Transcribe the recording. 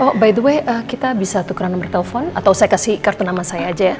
oh by the way kita bisa tukuran nomor telepon atau saya kasih kartu nama saya aja ya